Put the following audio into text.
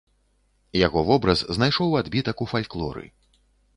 Яго вобраз знайшоў адбітак у фальклоры.